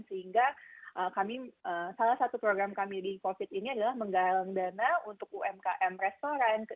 sehingga kami salah satu program kami di covid ini adalah menggalang dana untuk umkm restoran